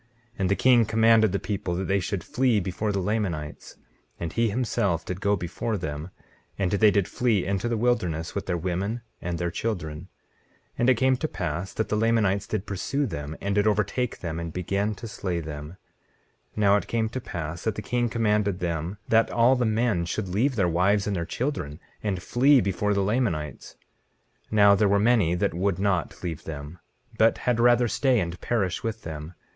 19:9 And the king commanded the people that they should flee before the Lamanites, and he himself did go before them, and they did flee into the wilderness, with their women and their children. 19:10 And it came to pass that the Lamanites did pursue them, and did overtake them, and began to slay them. 19:11 Now it came to pass that the king commanded them that all the men should leave their wives and their children, and flee before the Lamanites. 19:12 Now there were many that would not leave them, but had rather stay and perish with them.